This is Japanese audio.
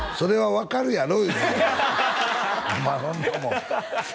分かるやろ？